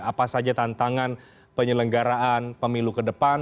apa saja tantangan penyelenggaraan pemilu ke depan